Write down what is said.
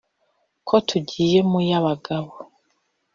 Ko tugiye mu y'abagabo?